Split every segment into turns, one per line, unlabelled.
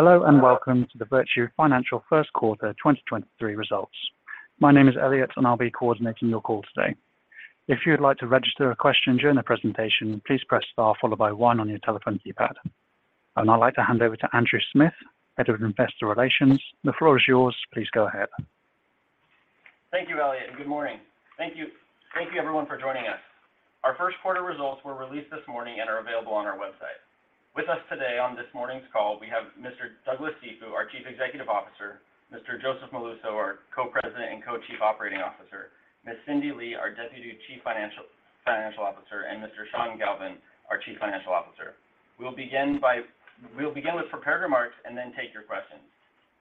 Hello, and welcome to the Virtu Financial first quarter 2023 results. My name is Elliot, and I'll be coordinating your call today. If you'd like to register a question during the presentation, please press star followed by One on your telephone keypad. I'd like to hand over to Andrew Smith, Head of Investor Relations. The floor is yours. Please go ahead.
Thank you, Elliot. Good morning. Thank you everyone for joining us. Our first quarter results were released this morning and are available on our website. With us today on this morning's call, we have Mr. Douglas Cifu, our Chief Executive Officer, Mr. Joseph Molluso, our Co-President and Co-Chief Operating Officer, Ms. Cindy Lee, our Deputy Chief Financial Officer, and Mr. Sean Galvin, our Chief Financial Officer. We'll begin with prepared remarks and then take your questions.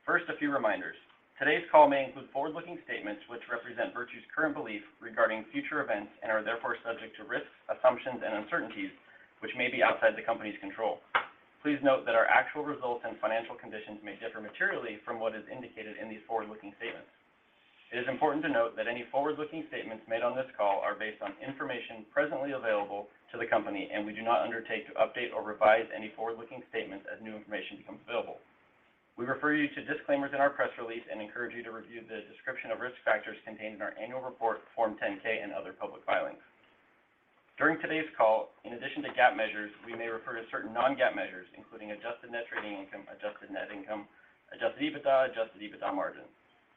First, a few reminders. Today's call may include forward-looking statements which represent Virtu's current beliefs regarding future events and are therefore subject to risks, assumptions, and uncertainties which may be outside the company's control. Please note that our actual results and financial conditions may differ materially from what is indicated in these forward-looking statements. It is important to note that any forward-looking statements made on this call are based on information presently available to the company, and we do not undertake to update or revise any forward-looking statements as new information becomes available. We refer you to disclaimers in our press release and encourage you to review the description of risk factors contained in our annual report on Form 10-K and other public filings. During today's call, in addition to GAAP measures, we may refer to certain non-GAAP measures, including adjusted net trading income, adjusted net income, adjusted EBITDA, and adjusted EBITDA margin.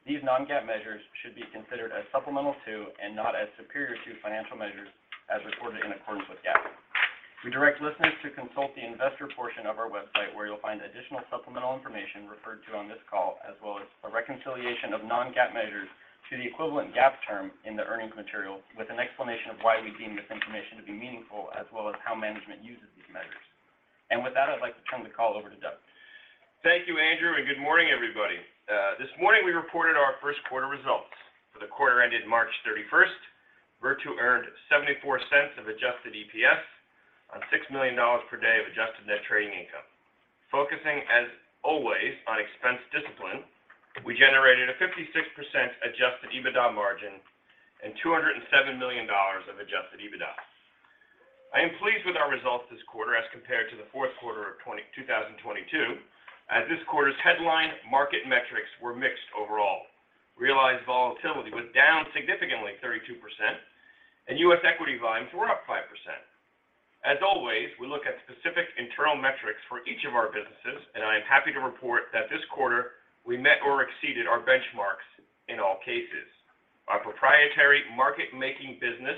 These non-GAAP measures should be considered as supplemental to and not as superior to financial measures as reported in accordance with GAAP. We direct listeners to consult the investor portion of our website, where you'll find additional supplemental information referred to on this call, as well as a reconciliation of non-GAAP measures to the equivalent GAAP term in the earnings material with an explanation of why we deem this information to be meaningful, as well as how management uses these measures. With that, I'd like to turn the call over to Doug.
Thank you, Andrew, and good morning, everybody. This morning we reported our first quarter results. For the quarter ended March 31, Virtu earned $0.74 of Adjusted EPS on $6 million per day of Adjusted Net Trading Income. Focusing as always on expense discipline, we generated a 56% Adjusted EBITDA Margin and $207 million of Adjusted EBITDA. I am pleased with our results this quarter as compared to the fourth quarter of 2022, as this quarter's headline market metrics were mixed overall. Realized volatility was down significantly, 32%, and U.S. equity volumes were up 5%. As always, we look at specific internal metrics for each of our businesses, and I am happy to report that this quarter we met or exceeded our benchmarks in all cases. Our proprietary market making business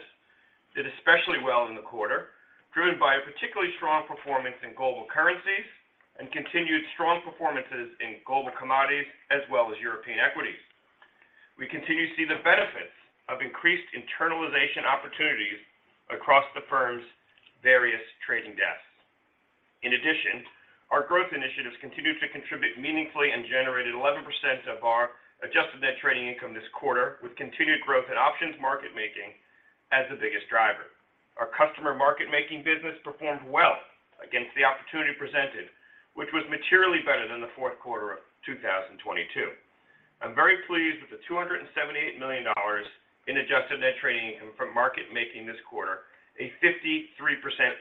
did especially well in the quarter, driven by a particularly strong performance in global currencies and continued strong performances in global commodities as well as European equities. We continue to see the benefits of increased internalization opportunities across the firm's various trading desks. Our growth initiatives continued to contribute meaningfully and generated 11% of our Adjusted Net Trading Income this quarter, with continued growth in options market making as the biggest driver. Our customer market making business performed well against the opportunity presented, which was materially better than the fourth quarter of 2022. I'm very pleased with the $278 million in Adjusted Net Trading Income from market making this quarter, a 53%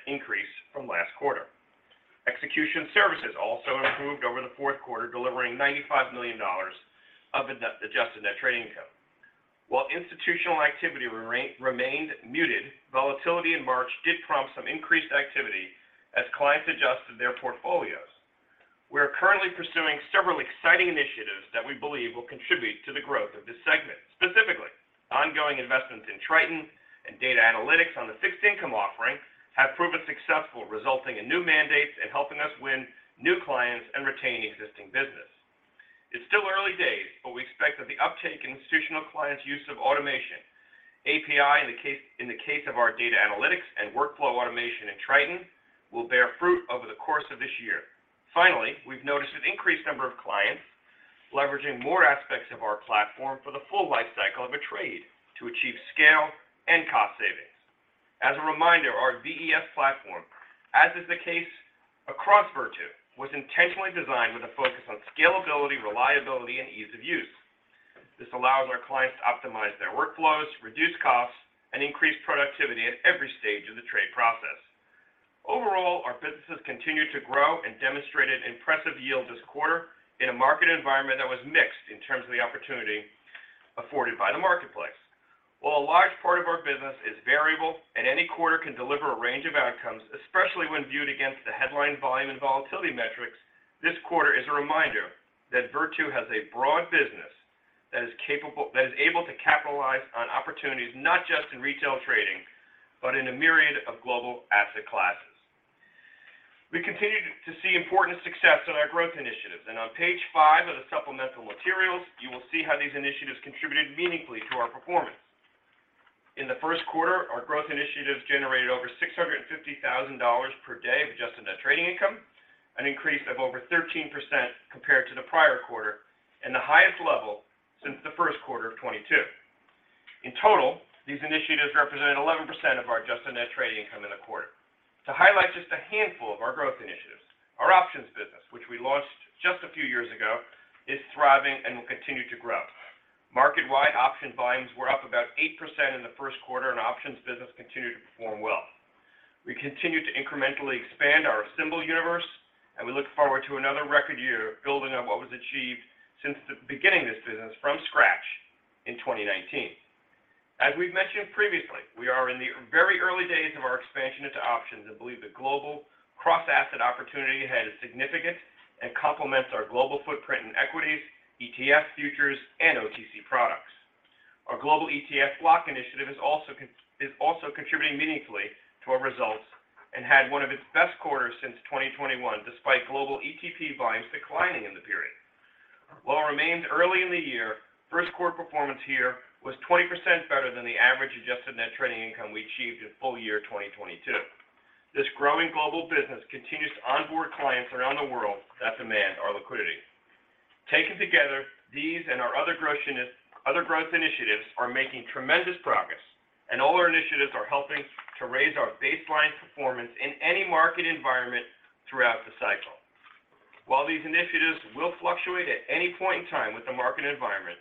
increase from last quarter. Execution Services also improved over the fourth quarter, delivering $95 million of Adjusted Net Trading Income. While institutional activity remained muted, volatility in March did prompt some increased activity as clients adjusted their portfolios. We are currently pursuing several exciting initiatives that we believe will contribute to the growth of this segment. Specifically, ongoing investments in Triton and data analytics on the fixed income offering have proven successful, resulting in new mandates and helping us win new clients and retain existing business. It's still early days, but we expect that the uptake in institutional clients' use of automation, API in the case of our data analytics and workflow automation in Triton will bear fruit over the course of this year. We've noticed an increased number of clients leveraging more aspects of our platform for the full life cycle of a trade to achieve scale and cost savings. As a reminder, our VES platform, as is the case across Virtu, was intentionally designed with a focus on scalability, reliability, and ease of use. This allows our clients to optimize their workflows, reduce costs, and increase productivity at every stage of the trade process. Overall, our businesses continued to grow and demonstrated impressive yield this quarter in a market environment that was mixed in terms of the opportunity afforded by the marketplace. While a large part of our business is variable and any quarter can deliver a range of outcomes, especially when viewed against the headline volume and volatility metrics, this quarter is a reminder that Virtu has a broad business that is able to capitalize on opportunities not just in retail trading, but in a myriad of global asset classes. We continue to see important success in our growth initiatives. On page 5 of the supplemental materials, you will see how these initiatives contributed meaningfully to our performance. In the first quarter, our growth initiatives generated over $650,000 per day of Adjusted Net Trading Income, an increase of over 13% compared to the prior quarter and the highest level since the first quarter of 2022. In total, these initiatives represented 11% of our Adjusted Net Trading Income in the quarter. To highlight just a handful of our growth initiatives, our options business, which we launched just a few years ago, is thriving and will continue to grow. Market-wide option volumes were up about 8% in the first quarter. Options business continued to perform well. We continue to incrementally expand our addressable universe. We look forward to another record year of building on what was achieved since the beginning of this business from scratch in 2019. As we've mentioned previously, we are in the very early days of our expansion into options and believe the global cross-asset opportunity has significance and complements our global footprint in equities, ETFs, futures, and OTC products. Our global ETF block initiative is also contributing meaningfully to our results and had one of its best quarters since 2021, despite global ETP volumes declining in the period. While it remains early in the year, first quarter performance here was 20% better than the average Adjusted Net Trading Income we achieved in full year 2022. This growing global business continues to onboard clients around the world that demand our liquidity. Taken together, these and our other growth initiatives are making tremendous progress, and all our initiatives are helping to raise our baseline performance in any market environment throughout the cycle. While these initiatives will fluctuate at any point in time with the market environment,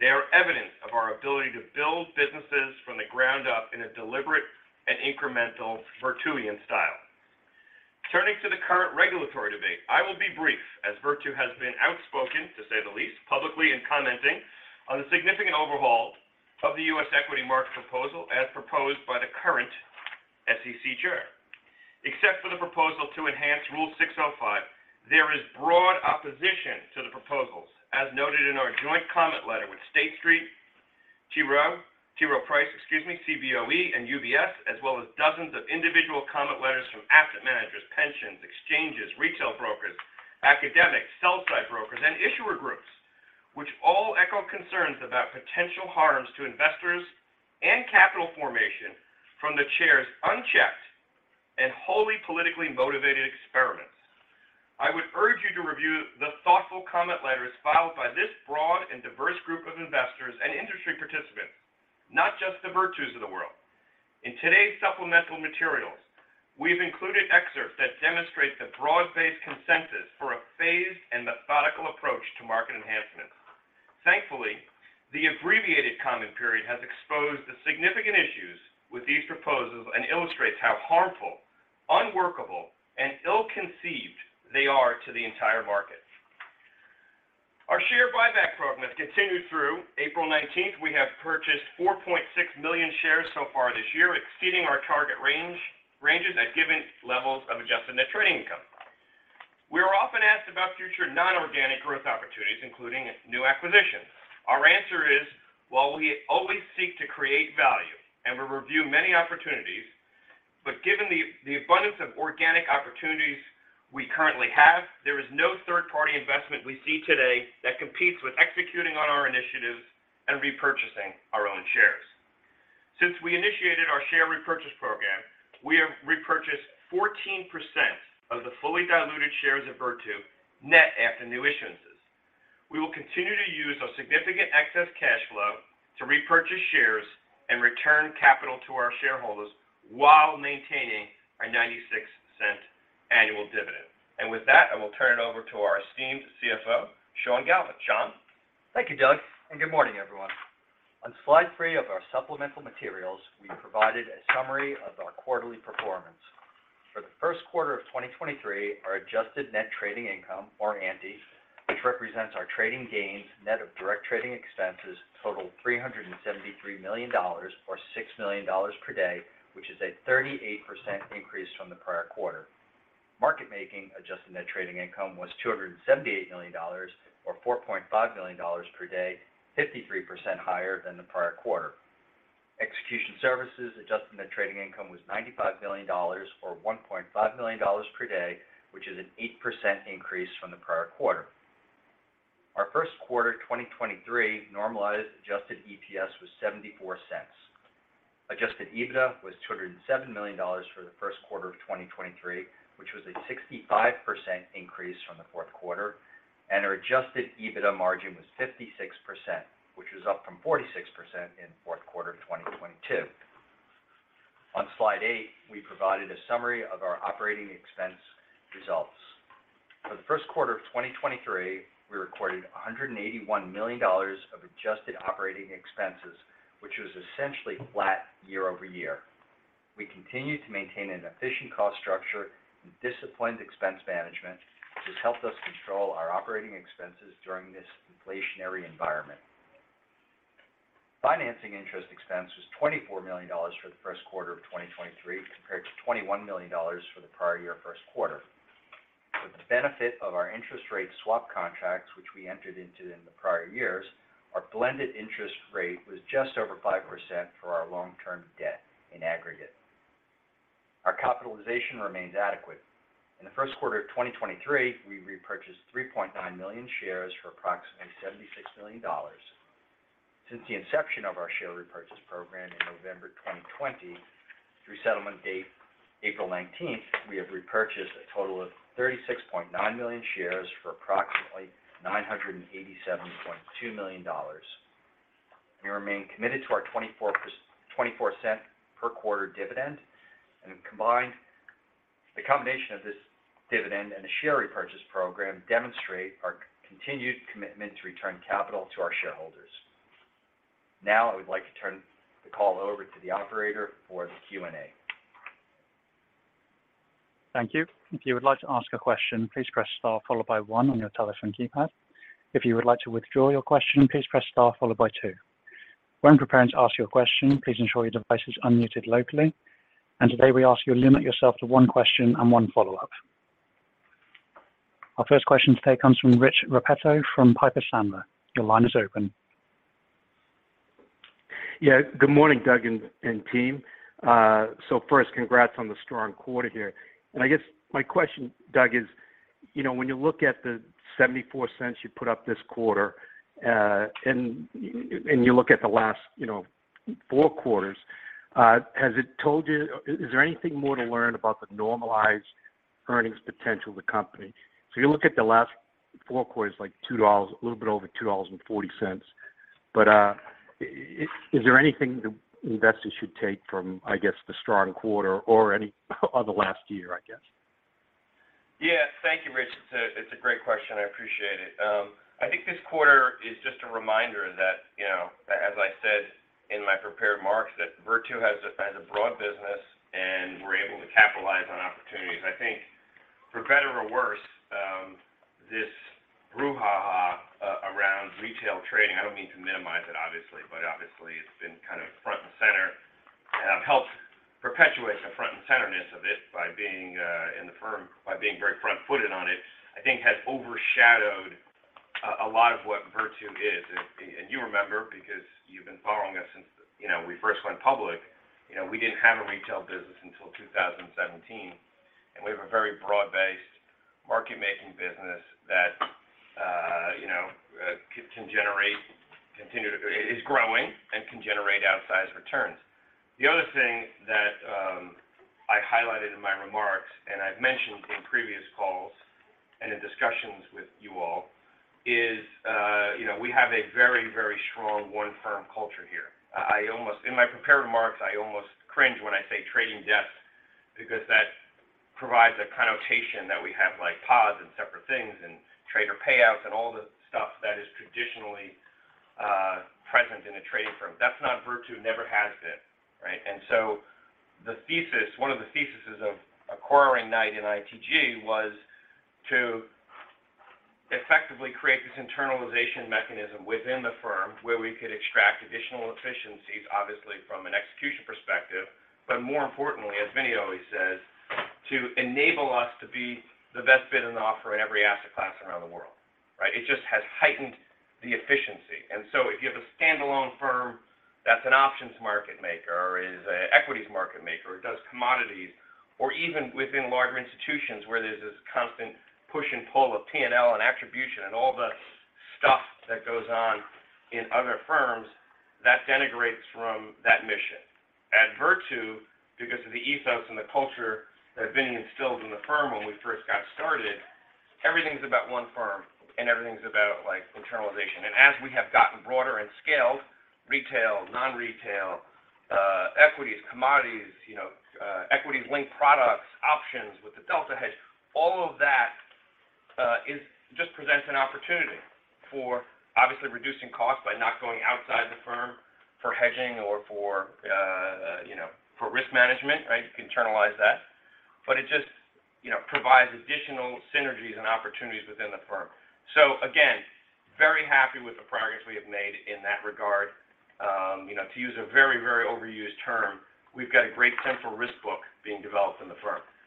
they are evidence of our ability to build businesses from the ground up in a deliberate and incremental Virtuian style. Turning to the current regulatory debate, I will be brief, as Virtu has been outspoken, to say the least, publicly in commenting on the significant overhaul of the U.S. equity market proposal as proposed by the current SEC chair. Except for the proposal to enhance Rule 605, there is broad opposition to the proposals, as noted in our joint comment letter with State Street, T. Rowe Price, excuse me, Cboe, and UBS, as well as dozens of individual comment letters from asset managers, pensions, exchanges, retail brokers, academics, sell side brokers, and issuer groups, which all echo concerns about potential harms to investors and capital formation from the chair's unchecked and wholly politically motivated experiments. I would urge you to review the thoughtful comment letters filed by this broad and diverse group of investors and industry participants, not just the Virtu of the world. In today's supplemental materials, we've included excerpts that demonstrate the broad-based consensus for a phased and methodical approach to market enhancements. Thankfully, the abbreviated comment period has exposed the significant issues with these proposals and illustrates how harmful, unworkable, and ill-conceived they are to the entire market. Our share buyback program has continued through April 19th. We have purchased 4.6 million shares so far this year, exceeding our target ranges at given levels of Adjusted Net Trading Income. We are often asked about future non-organic growth opportunities, including new acquisitions. Our answer is, while we always seek to create value, and we review many opportunities, but given the abundance of organic opportunities we currently have, there is no third-party investment we see today that competes with executing on our initiatives and repurchasing our own shares. Since we initiated our share repurchase program, we have repurchased 14% of the fully diluted shares of Virtu net after new issuances. We will continue to use our significant excess cash flow to repurchase shares and return capital to our shareholders while maintaining our $0.96 annual dividend. With that, I will turn it over to our esteemed CFO, Sean Galvin. Sean?
Thank you, Doug. Good morning, everyone. On slide 3 of our supplemental materials, we provided a summary of our quarterly performance. For the first quarter of 2023, our Adjusted Net Trading Income, or ANDI, which represents our trading gains net of direct trading expenses, totaled $373 million or $6 million per day, a 38% increase from the prior quarter. Market making Adjusted Net Trading Income was $278 million or $4.5 million per day, 53% higher than the prior quarter. Execution Services Adjusted Net Trading Income was $95 million or $1.5 million per day, an 8% increase from the prior quarter. Our first quarter 2023 normalized Adjusted EPS was $0.74. Adjusted EBITDA was $207 million for the first quarter of 2023, which was a 65% increase from the fourth quarter. Our Adjusted EBITDA Margin was 56%, which was up from 46% in fourth quarter of 2022. On slide 8, we provided a summary of our operating expense results. For the first quarter of 2023, we recorded $181 million of adjusted operating expenses, which was essentially flat year-over-year. We continue to maintain an efficient cost structure and disciplined expense management, which has helped us control our operating expenses during this inflationary environment. Financing interest expense was $24 million for the first quarter of 2023 compared to $21 million for the prior year first quarter. With the benefit of our interest rate swap contracts, which we entered into in the prior years, our blended interest rate was just over 5% for our long-term debt in aggregate. Our capitalization remains adequate. In the first quarter of 2023, we repurchased 3.9 million shares for approximately $76 million. Since the inception of our share repurchase program in November 2020, through settlement date April 19th, we have repurchased a total of 36.9 million shares for approximately $987.2 million. We remain committed to our $0.24 per quarter dividend, and the combination of this dividend and the share repurchase program demonstrate our continued commitment to return capital to our shareholders. Now I would like to turn the call over to the operator for the Q&A.
Thank you. If you would like to ask a question, please press star followed by one on your telephone keypad. If you would like to withdraw your question, please press star followed by. When preparing to ask your question, please ensure your device is unmuted locally, and today we ask you to limit yourself to 1 question and 1 follow-up. Our first question today comes from Rich Repetto from Piper Sandler. Your line is open.
Yeah. Good morning, Doug and team. First, congrats on the strong quarter here. I guess my question, Doug, is, you know, when you look at the $0.74 you put up this quarter, and you look at the last, you know, four quarters, is there anything more to learn about the normalized earnings potential of the company? You look at the last four quarters, like a little bit over $2.40, is there anything the investors should take from, I guess, the strong quarter or any other last year, I guess?
Yeah. Thank you, Rich. It's a great question. I appreciate it. I think this quarter is just a reminder that, you know, as I said in my prepared remarks, that Virtu has a broad business and we're able to capitalize on opportunities. I think for better or worse, this brouhaha around retail trading, I don't mean to minimize it obviously, but obviously it's been kind of front and center, helps perpetuate the front and centerness of it by being very front-footed on it, I think has overshadowed a lot of what Virtu is. You remember because you've been following us since, you know, we first went public. You know, we didn't have a retail business until 2017. We have a very broad-based market making business that, you know, is growing and can generate outsized returns. The other thing that I highlighted in my remarks, and I've mentioned in previous calls and in discussions with you all is, you know, we have a very strong one firm culture here. In my prepared remarks, I almost cringe when I say trading desks because that provides a connotation that we have like pods and separate things and trader payouts and all the stuff that is traditionally present in a trading firm. That's not Virtu, never has been, right? The thesis one of the theses of acquiring Knight and ITG was to effectively create this internalization mechanism within the firm where we could extract additional efficiencies, obviously from an execution perspective, but more importantly, as Vinnie always says, to enable us to be the best bid in the offer in every asset class around the world, right? It just has heightened the efficiency. If you have a standalone firm that's an options market maker or is a equities market maker, or does commodities, or even within larger institutions where there's this constant push and pull of P&L and attribution and all the stuff that goes on in other firms, that denigrates from that mission. At Virtu, because of the ethos and the culture that had been instilled in the firm when we first got started, everything's about one firm and everything's about, like, internalization. As we have gotten broader and scaled, retail, non-retail, equities, commodities, you know, equities-linked products, options with the delta hedge, all of that just presents an opportunity for obviously reducing costs by not going outside the firm for hedging or for, you know, for risk management, right? You can internalize that. It just, you know, provides additional synergies and opportunities within the firm. Again, very happy with the progress we have made in that regard. You know, to use a very, very overused term, we've got a great central risk book being developed in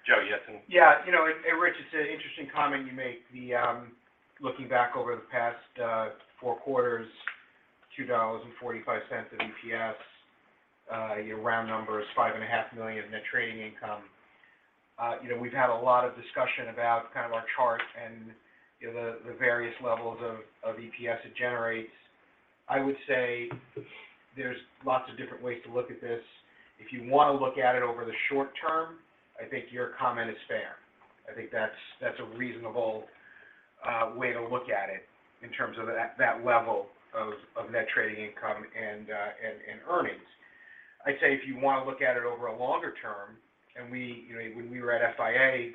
the firm. Joe, you have some.
You know, Rich, it's an interesting comment you make. Looking back over the past, four quarters, $2.45 of EPS, you know, round number is $5.5 million Net Trading Income. You know, we've had a lot of discussion about kind of our chart and, you know, the various levels of EPS it generates. I would say there's lots of different ways to look at this. If you wanna look at it over the short term, I think your comment is fair. I think that's a reasonable way to look at it in terms of that level of Net Trading Income and earnings. I'd say if you wanna look at it over a longer term, we, you know, when we were at FIA,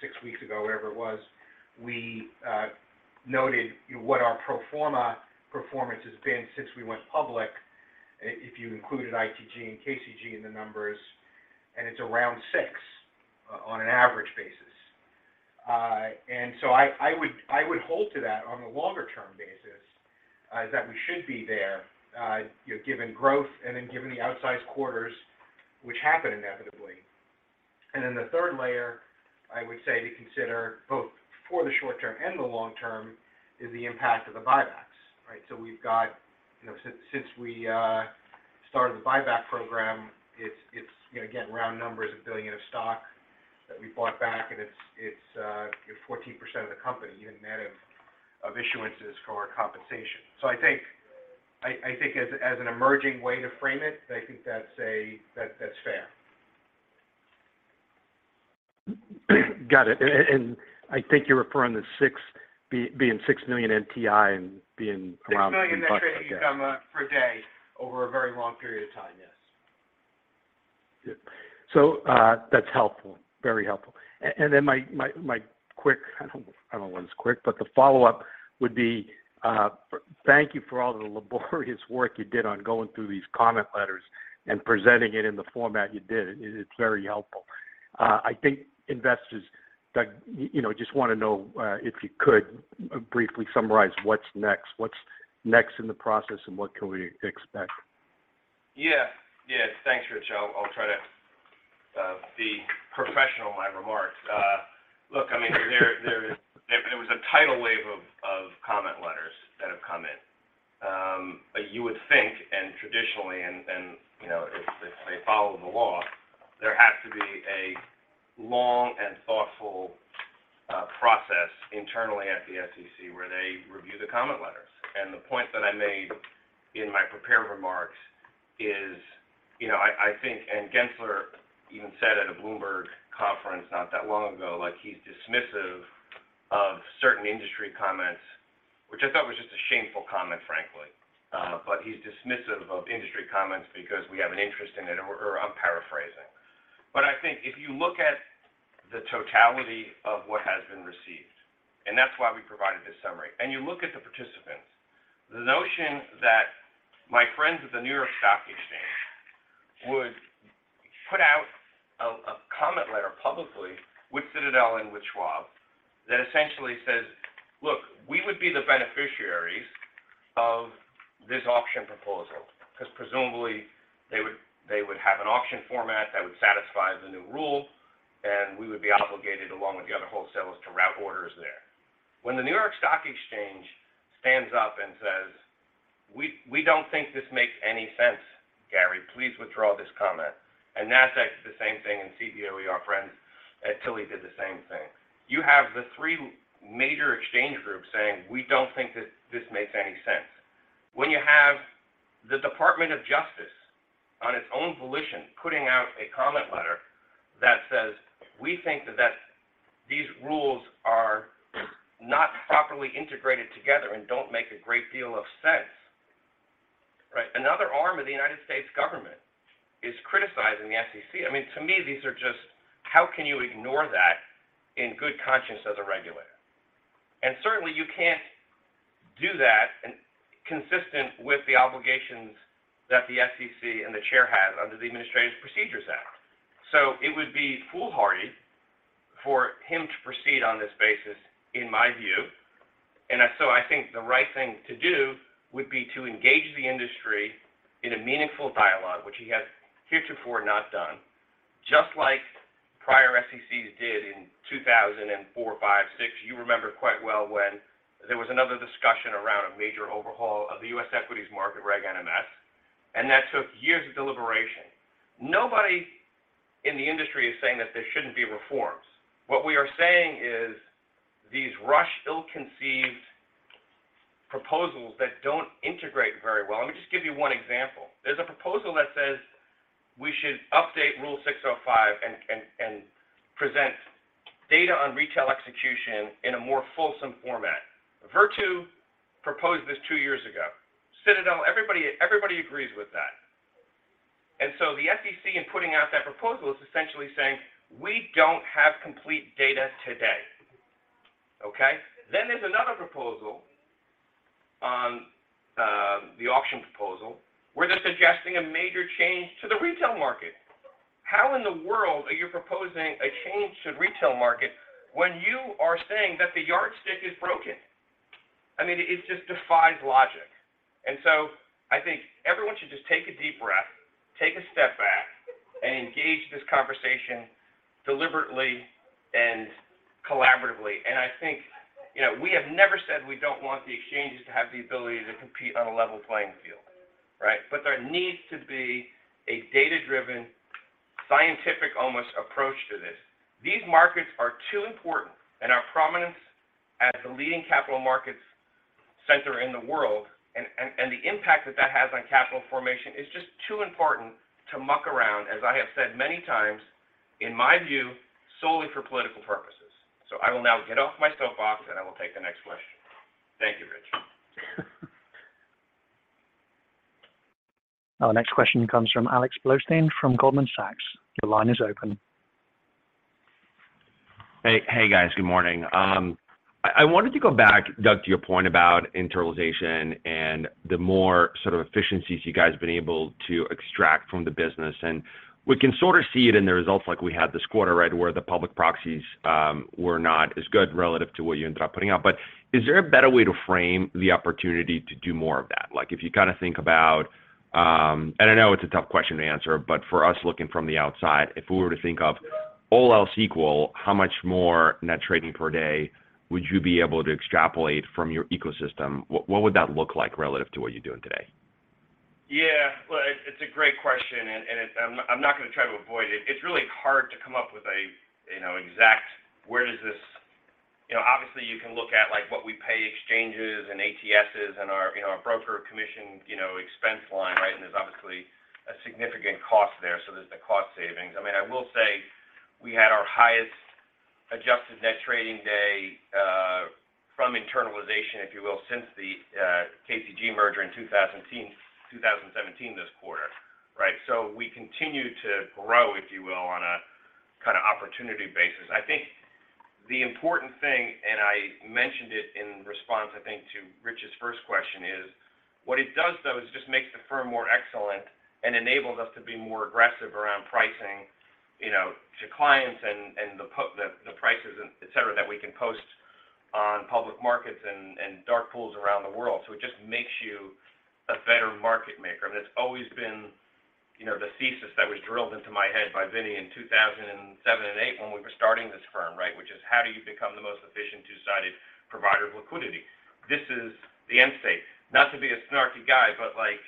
6 weeks ago, whatever it was, we noted what our pro forma performance has been since we went public, if you included ITG and KCG in the numbers, and it's around six on an average basis. I would hold to that on a longer term basis, that we should be there, you know, given growth and then given the outsized quarters which happen inevitably. The third layer I would say to consider both for the short term and the long term is the impact of the buybacks, right? We've got, you know, since we started the buyback program, it's, you know, round numbers, $1 billion of stock that we bought back and it's, you know, 14% of the company, even net of issuances for our compensation. I think as an emerging way to frame it, I think that's fair.
Got it. I think you're referring to being $6 million NTI and being around $3, I guess.
$6 million Net Trading Income per day over a very long period of time. Yes.
That's helpful. Very helpful. I don't know whether it's quick, but the follow-up would be, thank you for all the laborious work you did on going through these comment letters and presenting it in the format you did. It's very helpful. I think investors, Doug, you know, just wanna know if you could briefly summarize what's next. What's next in the process, and what can we expect?
Yeah. Yeah. Thanks, Rich. I'll try to be professional in my remarks. Look, I mean, there was a tidal wave of comment letters that have come in. You would think, and traditionally, and, you know, if they follow the law, there has to be a long and thoughtful process internally at the SEC where they review the comment letters. The point that I made in my prepared remarks is, you know, I think Gensler even said at a Bloomberg conference not that long ago, like, he's dismissive of certain industry comments, which I thought was just a shameful comment, frankly. He's dismissive of industry comments because we have an interest in it, or I'm paraphrasing. I think if you look at the totality of what has been received, and that's why we provided this summary, and you look at the participants, the notion that my friends at the New York Stock Exchange would put out a comment letter publicly with Citadel and with Schwab that essentially says, "Look, we would be the beneficiaries of this auction proposal," 'cause presumably they would have an auction format that would satisfy the new rule, and we would be obligated along with the other wholesalers to route orders there. When the New York Stock Exchange stands up and says, "We don't think this makes any sense, Gary. Please withdraw this comment," and Nasdaq said the same thing, and Cboe, our friends at Citi, did the same thing, you have the three major exchange groups saying, "We don't think that this makes any sense." When you have the Department of Justice, on its own volition, putting out a comment letter that says, "We think that these rules are not properly integrated together and don't make a great deal of sense," right? Another arm of the United States government is criticizing the SEC. I mean, to me, these are just... How can you ignore that in good conscience as a regulator? Certainly, you can't do that and consistent with the obligations that the SEC and the chair has under the Administrative Procedure Act. It would be foolhardy for him to proceed on this basis, in my view. I think the right thing to do would be to engage the industry in a meaningful dialogue, which he has heretofore not done, just like prior SECs did in 2004, 2005, 2006. You remember quite well when there was another discussion around a major overhaul of the U.S. equities market, Reg NMS, and that took years of deliberation. Nobody in the industry is saying that there shouldn't be reforms. What we are saying is these rushed, ill-conceived proposals that don't integrate very well. Let me just give you one example. There's a proposal that says we should update Rule 605 and present data on retail execution in a more fulsome format. Virtu proposed this two years ago. Citadel, everybody agrees with that. The SEC, in putting out that proposal, is essentially saying, "We don't have complete data today." Okay? There's another proposal on the auction proposal, where they're suggesting a major change to the retail market. How in the world are you proposing a change to the retail market when you are saying that the yardstick is broken? I mean, it just defies logic. I think everyone should just take a deep breath, take a step back, and engage this conversation deliberately and collaboratively. I think, you know, we have never said we don't want the exchanges to have the ability to compete on a level playing field, right? There needs to be a data-driven, scientific almost approach to this. These markets are too important, our prominence as the leading capital markets center in the world and the impact that that has on capital formation is just too important to muck around, as I have said many times, in my view, solely for political purposes. I will now get off my soapbox, and I will take the next question. Thank you, Rich.
Our next question comes from Alex Blostein from Goldman Sachs. Your line is open.
Hey, guys. Good morning. I wanted to go back, Doug, to your point about internalization and the more sort of efficiencies you guys have been able to extract from the business. We can sort of see it in the results like we had this quarter, right, where the public proxies were not as good relative to what you ended up putting out. Is there a better way to frame the opportunity to do more of that? Like, if you kinda think about, I know it's a tough question to answer, but for us looking from the outside, if we were to think of all else equal, how much more net trading per day would you be able to extrapolate from your ecosystem? What would that look like relative to what you're doing today?
Well, it's a great question. I'm not gonna try to avoid it. It's really hard to come up with a, you know, exact where does this. You know, obviously you can look at, like, what we pay exchanges and ATSs and our, you know, our broker commission, you know, expense line, right, and there's obviously a significant cost there, so there's the cost savings. I mean, I will say we had our highest adjusted net trading day from internalization, if you will, since the KCG merger in 2017 this quarter, right? We continue to grow, if you will, on a kind of opportunity basis. I think the important thing, and I mentioned it in response, I think, to Rich's first question is, what it does though is just makes the firm more excellent and enables us to be more aggressive around pricing, you know, to clients and the prices, et cetera, that we can post on public markets and dark pools around the world. It just makes you a better market maker. That's always been, you know, the thesis that was drilled into my head by Vinnie in 2007 and 2008 when we were starting this firm, right? How do you become the most efficient two-sided provider of liquidity? This is the end state. Not to be a snarky guy, but, like,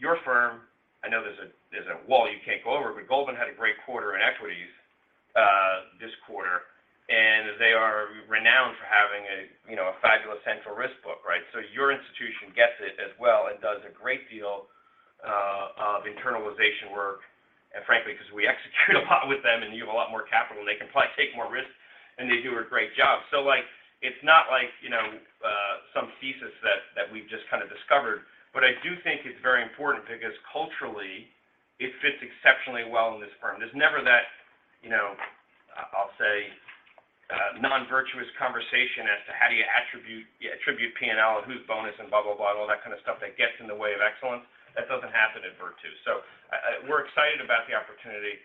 your firm, I know there's a wall you can't go over, but Goldman had a great quarter in equities this quarter, and they are renowned for having, you know, a fabulous central risk book, right? Your institution gets it as well, and does a great deal of internalization work, and frankly, because we execute a lot with them, and you have a lot more capital, and they can probably take more risks, and they do a great job. Like, it's not like, you know, some thesis that we've just kind of discovered. I do think it's very important because culturally, it fits exceptionally well in this firm. There's never that, you know, I'll say, non-virtuous conversation as to how do you attribute P&L and whose bonus and blah, blah, and all that kind of stuff that gets in the way of excellence. That doesn't happen at Virtu. We're excited about the opportunity.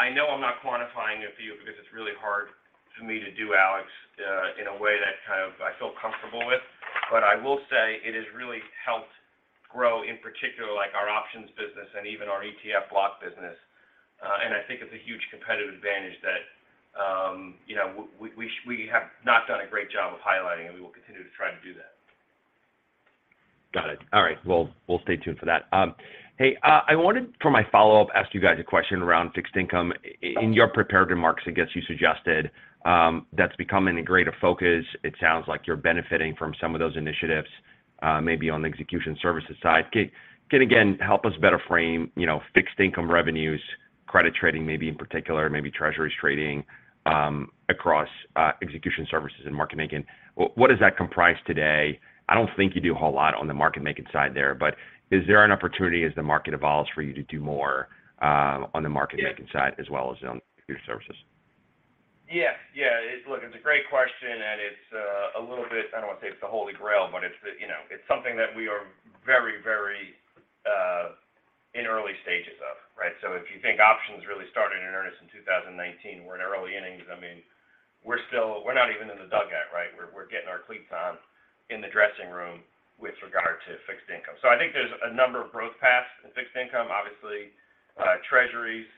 I know I'm not quantifying it for you because it's really hard for me to do, Alex, in a way that kind of I feel comfortable with. I will say it has really helped grow, in particular, like, our options business and even our ETF block business. I think it's a huge competitive advantage that, you know, we have not done a great job of highlighting, and we will continue to try to do that.
Got it. All right. Well, we'll stay tuned for that. I wanted for my follow-up ask you guys a question around fixed income. In your prepared remarks, I guess you suggested, that's becoming a greater focus. It sounds like you're benefiting from some of those initiatives, maybe on the execution services side. Can again, help us better frame, you know, fixed income revenues, credit trading maybe in particular, maybe treasuries trading, across execution services and market making. What does that comprise today? I don't think you do a whole lot on the market-making side there. Is there an opportunity as the market evolves for you to do more, on the market-making side as well as on your services?
Yes. Yeah. Look, it's a great question, and it's I don't want to say it's the holy grail, but it's the, you know, it's something that we are very, very in early stages of, right? If you think options really started in earnest in 2019, we're in our early innings. I mean, we're not even in the dugout, right? We're getting our cleats on in the dressing room with regard to fixed income. I think there's a number of growth paths in fixed income, obviously, treasuries,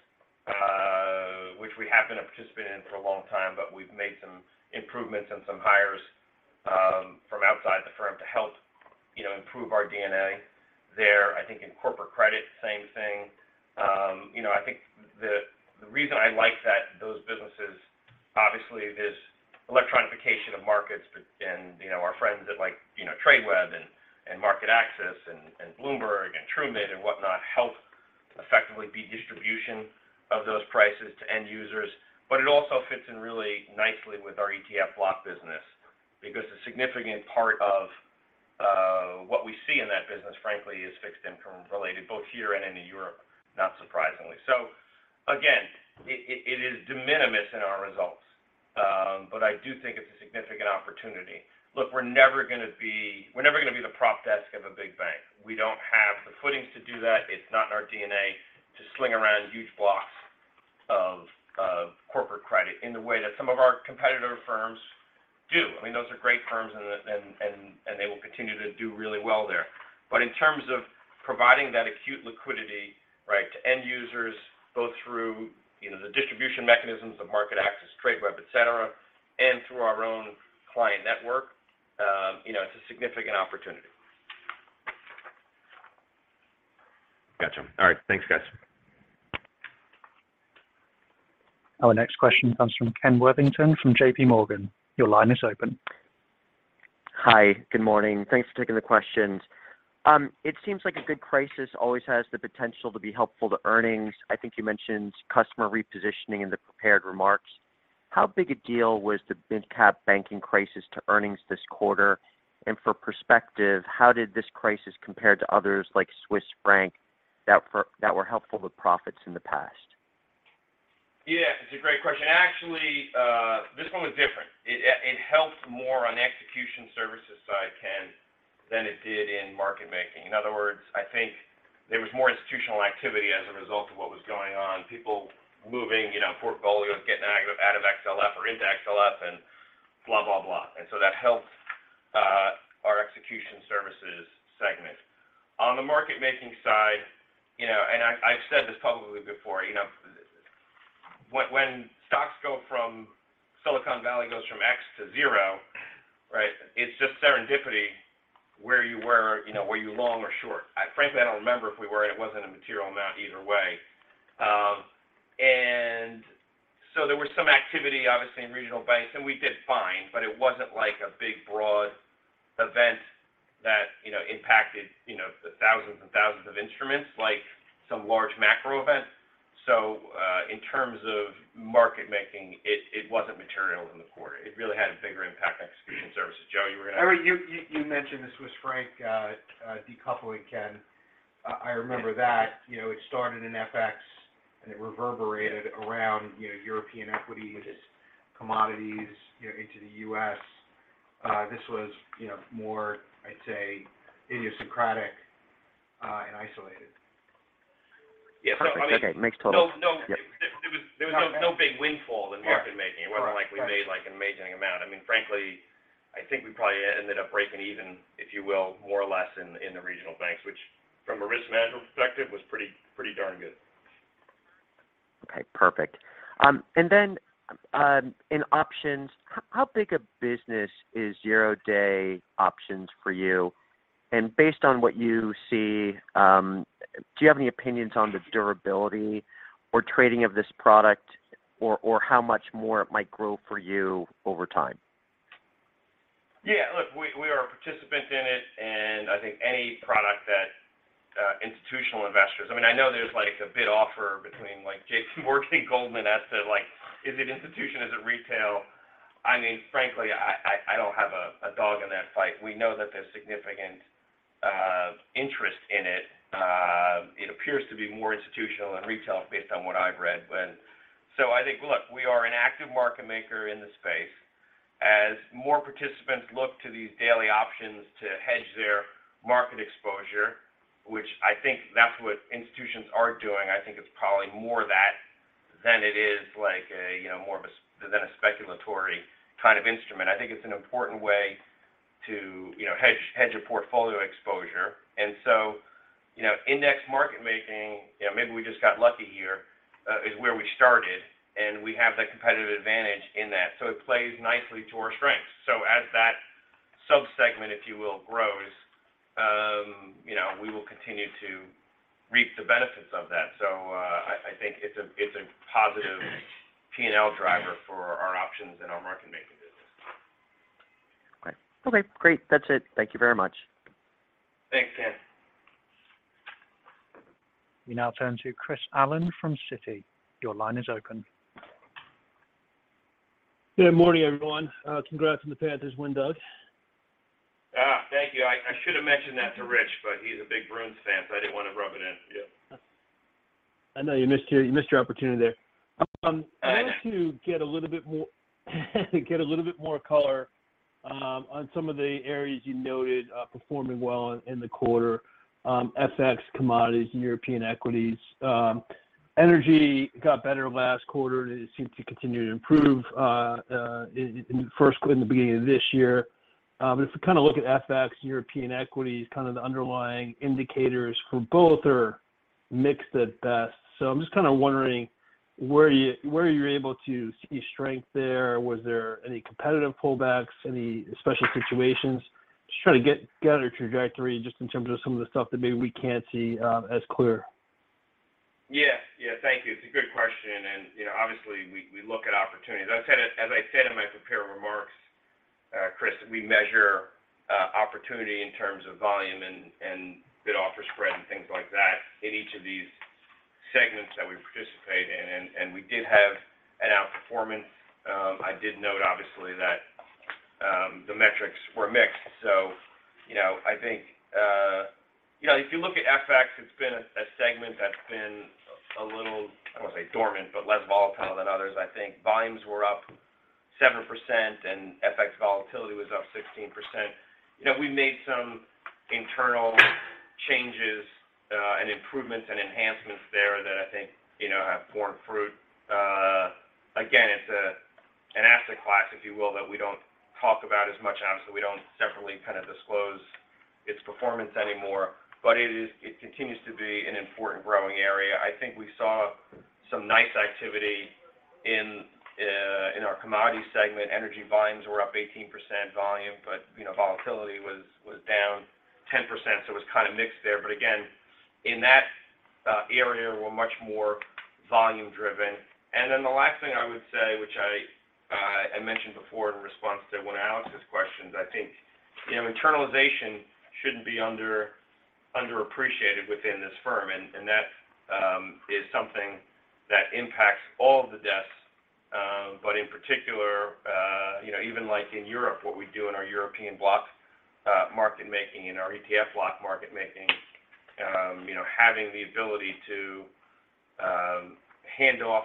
which we have been a participant in for a long time, but we've made some improvements and some hires from outside the firm to help, you know, improve our DNA there. I think in corporate credit, same thing. you know, I think the reason I like that, those businesses, obviously, there's electronification of markets and, you know, our friends at, like, you know, Tradeweb and MarketAxess and Bloomberg and Trumid and whatnot help effectively be distribution of those prices to end users. It also fits in really nicely with our ETF block business because a significant part of what we see in that business, frankly, is fixed income-related, both here and in Europe, not surprisingly. Again, it is de minimis in our results, but I do think it's a significant opportunity. Look, we're never gonna be the prop desk of a big bank. We don't have the footings to do that. It's not in our DNA to sling around huge blocks of corporate credit in the way that some of our competitor firms do. I mean, those are great firms and they will continue to do really well there. In terms of providing that acute liquidity, right, to end users, both through, you know, the distribution mechanisms of MarketAxess, Tradeweb, et cetera, and through our own client network, you know, it's a significant opportunity.
Gotcha. All right. Thanks, guys.
Our next question comes from Ken Worthington from JPMorgan. Your line is open.
Hi. Good morning. Thanks for taking the questions. It seems like a good crisis always has the potential to be helpful to earnings. I think you mentioned customer repositioning in the prepared remarks. How big a deal was the mid-cap banking crisis to earnings this quarter? For perspective, how did this crisis compare to others like Swiss franc that were helpful with profits in the past?
Yeah. It's a great question. Actually, this one was different. It helped more on the Execution Services side, Ken, than it did in market making. In other words, I think there was more institutional activity as a result of what was going on, people moving, you know, portfolios, getting out of XLF or into XLF and blah, blah. That helped our Execution Services segment. On the market making side, you know, I've said this publicly before, you know, when Silicon Valley Bank goes from X to zero, right, it's just serendipity where you were, you know, were you long or short. Frankly, I don't remember if we were, it wasn't a material amount either way. There was some activity, obviously, in regional banks, and we did fine, but it wasn't like a big, broad event that, you know, impacted the thousands and thousands of instruments like some large macro events. In terms of market making, it wasn't material in the quarter. It really had a bigger impact on execution services. Joe, you were gonna.
You mentioned the Swiss franc, decoupling, Ken. I remember that. You know, it started in FX and it reverberated around, you know, European equities, commodities, you know, into the U.S. This was, you know, more, I'd say, idiosyncratic, and isolated.
Yeah. I mean.
Perfect. Okay. Makes total.
No, no. There was no big windfall in market making.
Right. Right.
It wasn't like we made, like, an amazing amount. I mean, frankly, I think we probably ended up breaking even, if you will, more or less in the regional banks, which from a risk management perspective was pretty darn good.
Okay. Perfect. In options, how big a business is Zero-day options for you? Based on what you see, do you have any opinions on the durability or trading of this product or how much more it might grow for you over time?
Look, we are a participant in it, and I think any product that institutional investors. I mean, I know there's like a bid offer between, like, JPMorgan, Goldman as to, like, is it institution, is it retail? I mean, frankly, I don't have a dog in that fight. We know that there's significant interest in it. It appears to be more institutional than retail based on what I've read. I think, look, we are an active market maker in the space. As more participants look to these daily options to hedge their market exposure, which I think that's what institutions are doing, I think it's probably more that than it is like a, you know, more of a than a speculatory kind of instrument. I think it's an important way to, you know, hedge a portfolio exposure. You know, index market making, you know, maybe we just got lucky here, is where we started and we have that competitive advantage in that. It plays nicely to our strengths. As that sub-segment, if you will, grows, you know, we will continue to reap the benefits of that. I think it's a, it's a positive P&L driver for our options and our market making business.
Okay. Okay. Great. That's it. Thank you very much.
Thanks, Ken.
We now turn to Chris Allen from Citi. Your line is open.
Good morning, everyone. Congrats on the Panthers win, Doug.
Thank you. I should have mentioned that to Rich, but he's a big Bruins fan, so I didn't want to rub it in.
Yeah. I know you missed your, you missed your opportunity there. I wanted to get a little bit more color on some of the areas you noted performing well in the quarter. FX, commodities, and European equities. Energy got better last quarter. It seems to continue to improve in the beginning of this year. If you kind of look at FX and European equities, kind of the underlying indicators for both are mixed at best. I'm just kind of wondering where you, where you're able to see strength there. Was there any competitive pullbacks, any special situations? Just trying to get a trajectory just in terms of some of the stuff that maybe we can't see as clear.
Yeah. Thank you. It's a good question. You know, obviously, we look at opportunities. as I said in my prepared remarks, Chris, we measure opportunity in terms of volume and bid-offer spread and things like that in each of these segments that we participate in, and we did have an outperformance. I did note obviously that the metrics were mixed. You know, I think, you know, if you look at FX, it's been a segment that's been a little, I don't want to say dormant, but less volatile than others I think. Volumes were up 7% and FX volatility was up 16%. You know, we made some internal changes and improvements and enhancements there that I think, you know, have borne fruit. Again, it's an asset class, if you will, that we don't talk about as much obviously. We don't separately kind of disclose its performance anymore, but it continues to be an important growing area. I think we saw some nice activity in our commodity segment. Energy volumes were up 18% volume, but, you know, volatility was down 10%, so it was kind of mixed there. Again, in that area, we're much more volume-driven. Then the last thing I would say, which I mentioned before in response to one of Alex's questions, I think, you know, internalization shouldn't be underappreciated within this firm. That is something that impacts all of the desks, but in particular, you know, even like in Europe, what we do in our European block market making and our ETF block market making, you know, having the ability to hand off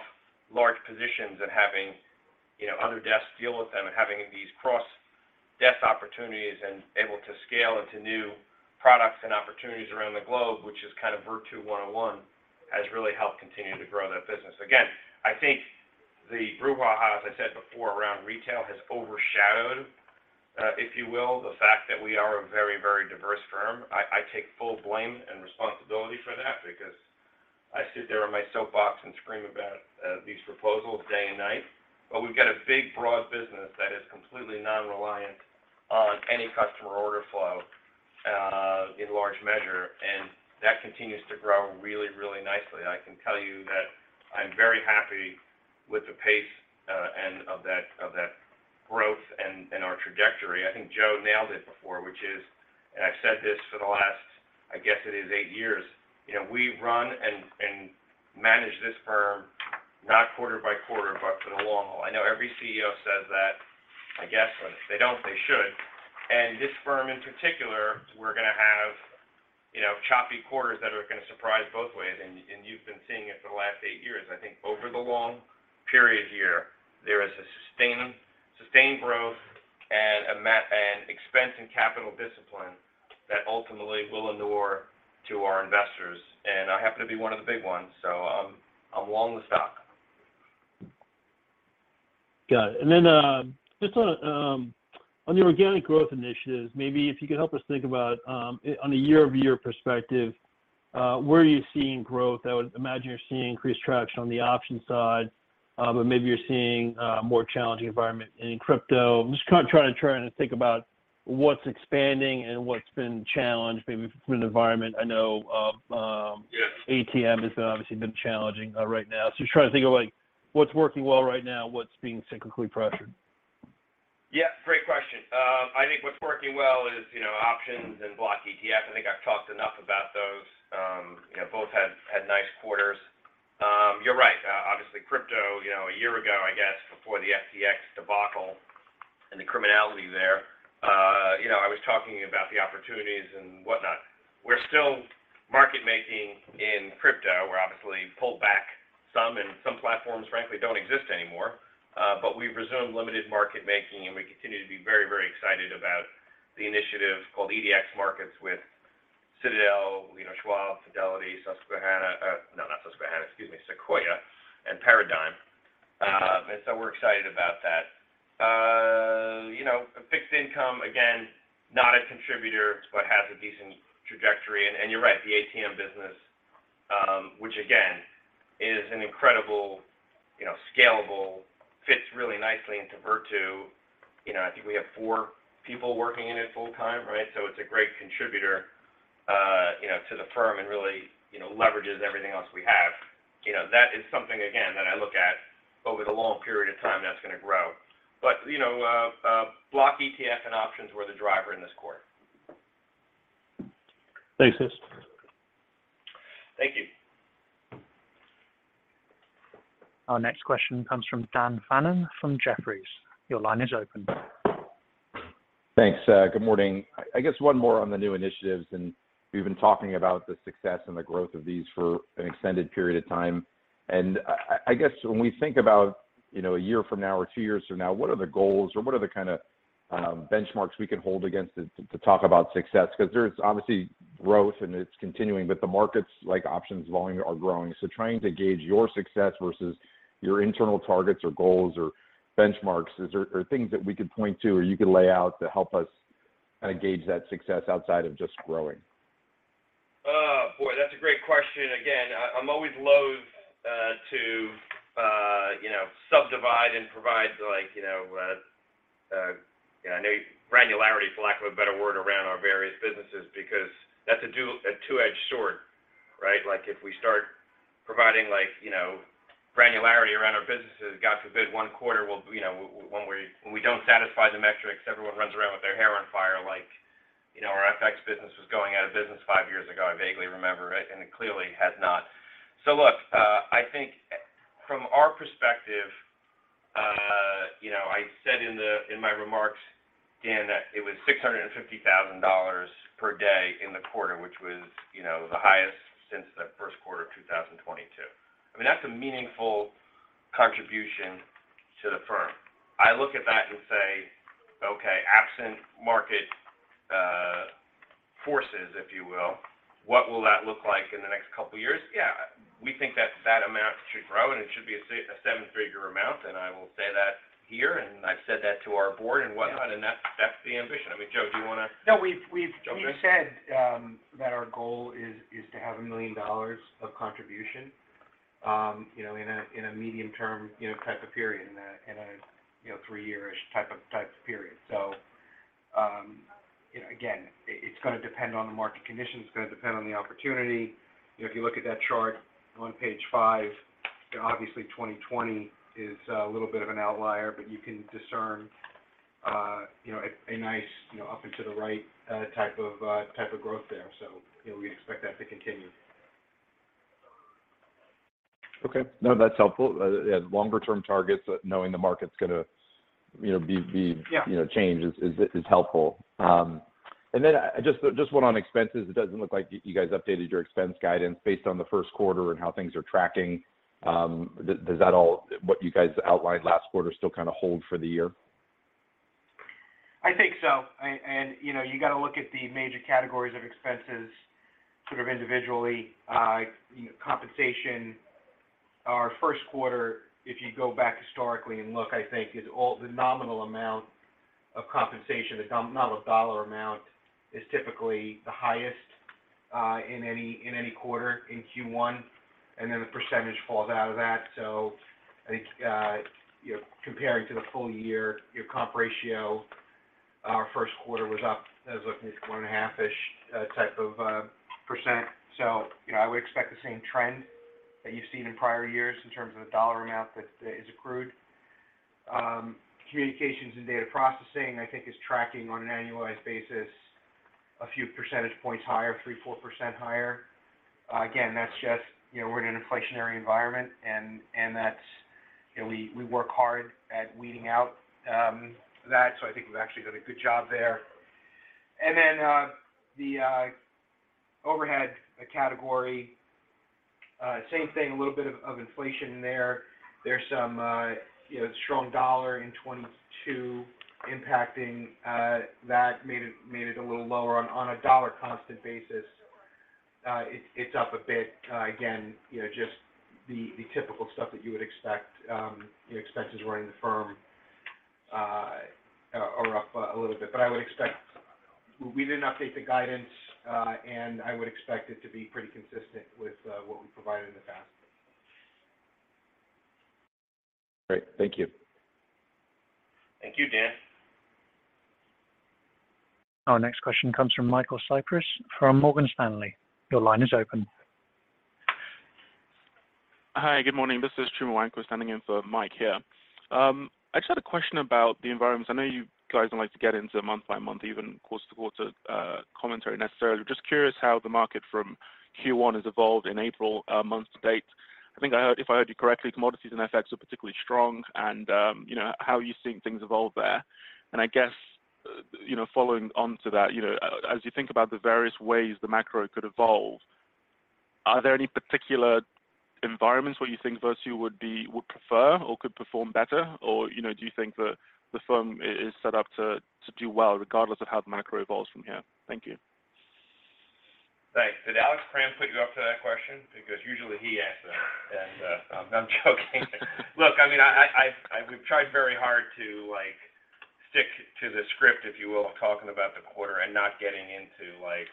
large positions and having, you know, other desks deal with them and having these cross desk opportunities and able to scale into new products and opportunities around the globe, which is kind of Virtu one-on-one, has really helped continue to grow that business. Again, I think the brouhaha, as I said before, around retail has overshadowed, if you will, the fact that we are a very, very diverse firm. I take full blame and responsibility for that because I sit there on my soapbox and scream about these proposals day and night. We've got a big, broad business that is completely non-reliant on any customer order flow, in large measure, and that continues to grow really, really nicely. I can tell you that I'm very happy with the pace of that growth and our trajectory. I think Joe nailed it before, which is, I've said this for the last, I guess it is eight years, you know, we run and manage this firm not quarter by quarter, but for the long haul. I know every CEO says that, I guess. If they don't, they should. This firm in particular, we're gonna have, you know, choppy quarters that are gonna surprise both ways. You've been seeing it for the last eight years. I think over the long period here, there is a sustained growth and an expense and capital discipline that ultimately will endure to our investors. I happen to be one of the big ones, so I'm long the stock.
Got it. Just on the organic growth initiatives, maybe if you could help us think about, on a year-over-year perspective, where are you seeing growth? I would imagine you're seeing increased traction on the options side, but maybe you're seeing a more challenging environment in crypto. I'm just trying to think about what's expanding and what's been challenged, maybe from an environment. I know, ATM has obviously been challenging, right now. Just trying to think of, like, what's working well right now and what's being cyclically pressured.
Yeah. Great question. I think what's working well is, you know, options and block ETF. I think I've talked enough about those. You know, both had nice quarters. You're right. Obviously crypto, you know, one year ago, I guess, before the FTX debacle and the criminality there, you know, I was talking about the opportunities and whatnot. We're still market-making in crypto. We're obviously pulled back some, and some platforms frankly don't exist anymore. We've resumed limited market making, and we continue to be very, very excited about the initiative called EDX Markets with Citadel, you know, Schwab, Fidelity, Susquehanna. No, not Susquehanna, excuse me, Sequoia and Paradigm. We're excited about that. You know, fixed income, again, not a contributor, but has a decent trajectory. You're right, the ATM business, which again is an incredible, you know, scalable. Fits really nicely into Virtu. You know, I think we have four people working in it full-time, right? It's a great contributor, you know, to the firm and really, you know, leverages everything else we have. You know, that is something again, that I look at over the long period of time that's gonna grow. You know, block ETF and options were the driver in this quarter. Thanks, Chris.
Thank you.
Our next question comes from Dan Fannon from Jefferies. Your line is open.
Thanks. Good morning. I guess one more on the new initiatives. We've been talking about the success and the growth of these for an extended period of time. I guess when we think about, you know, a year from now or two years from now, what are the goals or what are the kinda benchmarks we can hold against it to talk about success? Because there's obviously growth and it's continuing, but the markets, like options volume, are growing. Trying to gauge your success versus your internal targets or goals or benchmarks, is there or things that we could point to or you could lay out to help us kinda gauge that success outside of just growing?
Oh, boy, that's a great question. Again, I'm always loathe to, you know, subdivide and provide like, you know, granularity for lack of a better word around our various businesses because that's a dual a two-edged sword, right? Like if we start providing like, you know, granularity around our businesses, God forbid one quarter will, when we don't satisfy the metrics, everyone runs around with their hair on fire like, you know, our FX business was going out of business five years ago, I vaguely remember it, and it clearly has not. Look, I think from our perspective, you know, I said in the in my remarks, Dan, that it was $650,000 per day in the quarter, which was, you know, the highest since the first quarter of 2022. I mean, that's a meaningful contribution to the firm. I look at that and say, "Okay, absent market forces, if you will, what will that look like in the next couple of years?" Yeah. We think that that amount should grow, and it should be a seven-figure amount, and I will say that here, and I've said that to our board and whatnot, and that's the ambition. I mean, Joe.
No. We've.
Joe, go ahead.
we've said, that our goal is to have $1 million of contribution, you know, in a medium term, you know, type of period, in a, you know, three-ish type of period. Again, it's gonna depend on the market conditions. It's gonna depend on the opportunity. You know, if you look at that chart on page five, you know, obviously 2020 is a little bit of an outlier, but you can discern, you know, a nice, you know, up and to the right, type of growth there. We expect that to continue.
Okay. No, that's helpful. Yeah, longer term targets, knowing the market's gonna, you know, be, you know, change is helpful. Just one on expenses. It doesn't look like you guys updated your expense guidance based on the first quarter and how things are tracking. Does that all what you guys outlined last quarter still kinda hold for the year?
I think so. You know, you gotta look at the major categories of expenses sort of individually. You know, compensation, our first quarter, if you go back historically and look, I think is the nominal amount of compensation, the nominal dollar amount is typically the highest in any, in any quarter in Q1, and then the percentage falls out of that. I think, You know, comparing to the full year, your comp ratio, our first quarter was up as, I think, 1.5-ish type of %. You know, I would expect the same trend that you've seen in prior years in terms of the dollar amount that is accrued. Communications and data processing, I think is tracking on an annualized basis a few percentage points higher, 3%, 4% higher. Again, that's just, you know, we're in an inflationary environment and that's. You know, we work hard at weeding out that, so I think we've actually done a good job there. The overhead category, same thing, a little bit of inflation there. There's some, you know, strong dollar in 2022 impacting that made it a little lower on a dollar constant basis. It's up a bit. Again, you know, just the typical stuff that you would expect, you know, expenses running the firm are up a little bit. We didn't update the guidance. I would expect it to be pretty consistent with what we provided in the past.
Great. Thank you.
Thank you, Dan.
Our next question comes from Michael Cyprys from Morgan Stanley. Your line is open.
Hi, good morning. This is Kaimon Wong standing in for Mike here. I just had a question about the environments. I know you guys don't like to get into month-by-month, even quarter-to-quarter, commentary necessarily. Just curious how the market from Q1 has evolved in April, month to date. If I heard you correctly, commodities and FX were particularly strong and, you know, how are you seeing things evolve there? I guess, you know, following on to that, you know, as you think about the various ways the macro could evolve, are there any particular environments where you think Virtu would prefer or could perform better? You know, do you think the firm is set up to do well regardless of how the macro evolves from here? Thank you.
Thanks. Did Alex Kramm put you up to that question? Because usually he asks that. I'm joking. Look, I mean, we've tried very hard to, like, stick to the script, if you will, of talking about the quarter and not getting into like,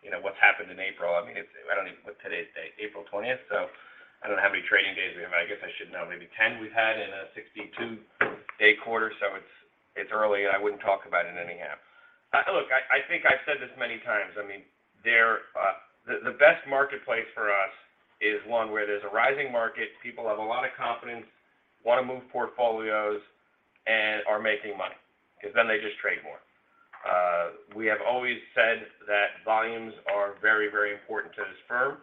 you know, what's happened in April. I don't even. What's today's date? April 20th. I don't know how many trading days we have. I guess I should know. Maybe 10 we've had in a 62-day quarter, so it's early and I wouldn't talk about it anyhow. Look, I think I've said this many times. I mean, they're. The best marketplace for us is one where there's a rising market, people have a lot of confidence, wanna move portfolios, and are making money, because then they just trade more. We have always said that volumes are very, very important to this firm.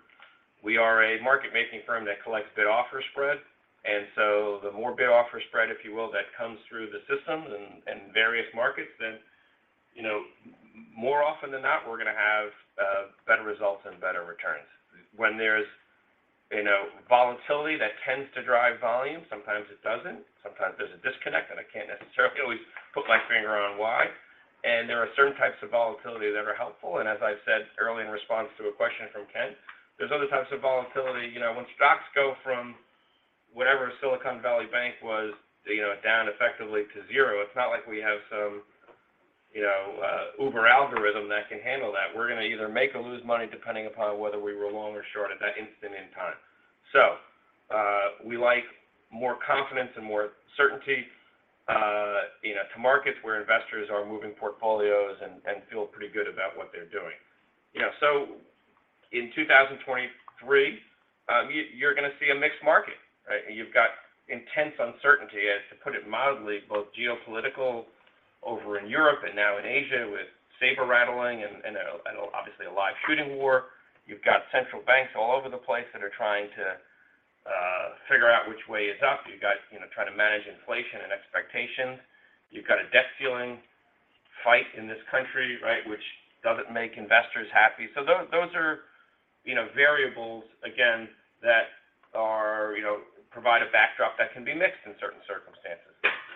We are a market-making firm that collects bid-offer spread. The more bid-offer spread, if you will, that comes through the systems and various markets, then, you know, more often than not, we're gonna have better results and better returns. When there's, you know, volatility, that tends to drive volume. Sometimes it doesn't. Sometimes there's a disconnect, and I can't necessarily always put my finger on why. There are certain types of volatility that are helpful. As I've said earlier in response to a question from Ken, there's other types of volatility. You know, when stocks go from whatever Silicon Valley Bank was, you know, down effectively to zero, it's not like we have some, you know, Uber algorithm that can handle that. We're gonna either make or lose money depending upon whether we were long or short at that instant in time. We like more confidence and more certainty, you know, to markets where investors are moving portfolios and feel pretty good about what they're doing. You know, in 2023, you're gonna see a mixed market, right? You've got intense uncertainty, and to put it mildly, both geopolitical over in Europe and now in Asia with saber-rattling and obviously a live shooting war. You've got central banks all over the place that are trying to figure out which way is up. You've got, you know, trying to manage inflation and expectations. You've got a debt ceiling fight in this country, right? Which doesn't make investors happy. Those are, you know, variables, again, that are... you know, provide a backdrop that can be mixed in certain circumstances.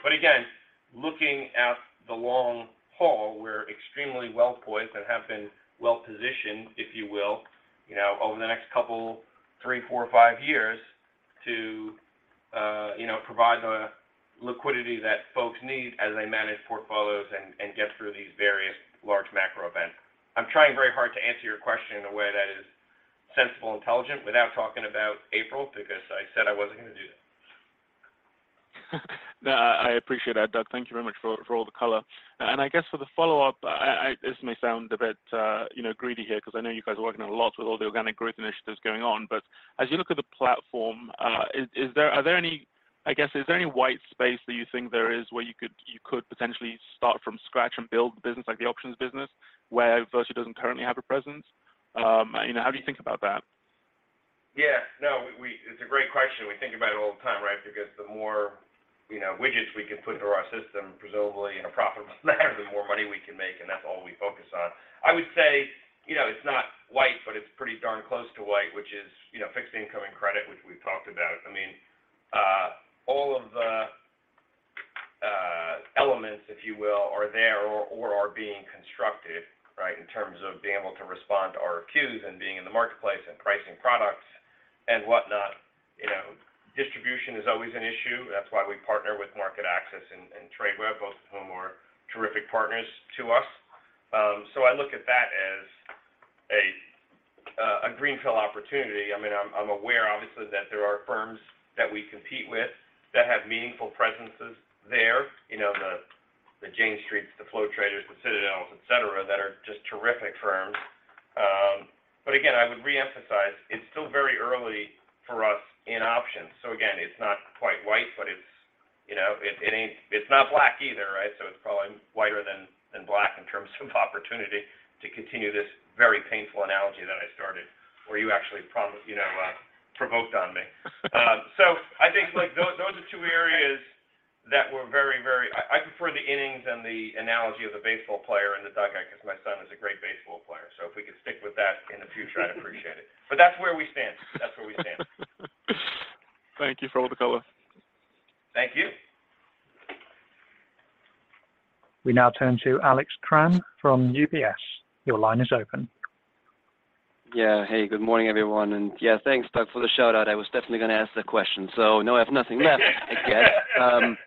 Again, looking at the long haul, we're extremely well-poised and have been well-positioned, if you will, you know, over the next couple, three, four, five years to, you know, provide the liquidity that folks need as they manage portfolios and get through these various large macro events. I'm trying very hard to answer your question in a way that is sensible and intelligent without talking about April, because I said I wasn't gonna do that.
No, I appreciate that, Doug. Thank you very much for all the color. I guess for the follow-up, I... This may sound a bit, you know, greedy here, because I know you guys are working on a lot with all the organic growth initiatives going on. As you look at the platform, I guess, is there any white space that you think there is where you could, you could potentially start from scratch and build the business, like the options business, where Virtu doesn't currently have a presence? you know, how do you think about that?
No, it's a great question. We think about it all the time, right? Because the more, you know, widgets we can put through our system, presumably in a profitable manner, the more money we can make, and that's all we focus on. I would say, you know, it's not white, but it's pretty darn close to white, which is, you know, fixed income and credit, which we've talked about. I mean, all of the elements, if you will, are there or are being constructed, right? In terms of being able to respond to RFQs and being in the marketplace and pricing products and whatnot. You know, distribution is always an issue. That's why we partner with MarketAxess and Tradeweb, both of whom are terrific partners to us. I look at that as a greenfield opportunity. I mean, I'm aware obviously that there are firms that we compete with that have meaningful presences there. You know, the Jane Street, the Flow Traders, the Citadel, et cetera, that are just terrific firms. Again, I would re-emphasize, it's still very early for us in options. Again, it's not quite white, but it's, you know, it's not black either, right? It's probably whiter than black in terms of opportunity to continue this very painful analogy that I started, where you actually, you know, provoked on me. I think like those are two areas I prefer the innings and the analogy of the baseball player in the dugout because my son is a great baseball player. If we could stick with that in the future, I'd appreciate it. That's where we stand.
Thank you for all the color.
Thank you.
We now turn to Alex Kramm from UBS. Your line is open.
Hey, good morning, everyone, yeah, thanks, Doug, for the shout-out. I was definitely gonna ask that question. Now I have nothing left, I guess.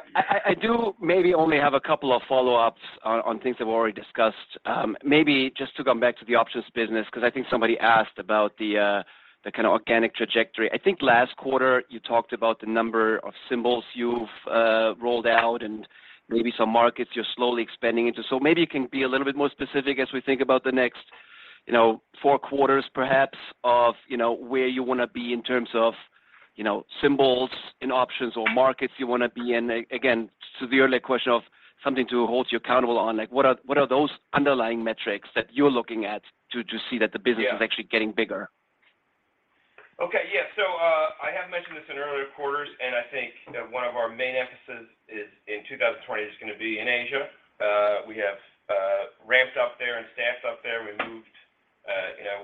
I do maybe only have a couple of follow-ups on things that were already discussed. Maybe just to come back to the options business because I think somebody asked about the kinda organic trajectory. I think last quarter you talked about the number of symbols you've rolled out and maybe some markets you're slowly expanding into. Maybe you can be a little bit more specific as we think about the next, you know, four quarters perhaps of, you know, where you wanna be in terms of, you know, symbols in options or markets you wanna be in. Again, to the earlier question of something to hold you accountable on. Like, what are those underlying metrics that you're looking at to see that the business is actually getting bigger?
Okay. Yeah. I have mentioned this in earlier quarters, and I think that one of our main emphasis is, in 2020, is gonna be in Asia. We have ramped up there and staffed up there. We moved, you know,